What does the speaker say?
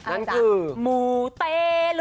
นั่นคือ